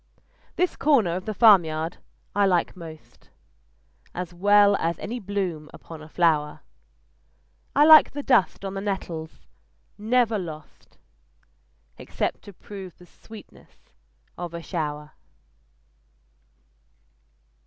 This corner of the farmyard I like most: As well as any bloom upon a flower I like the dust on the nettles, never lost Except to prove the sweetness of a shower.